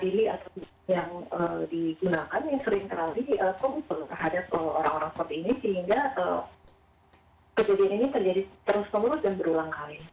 jadi kok muncul kehadapan orang orang seperti ini sehingga kejadian ini terjadi terus kemurus dan berulang kali